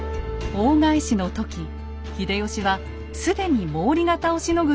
大返しの時秀吉は既に毛利方をしのぐ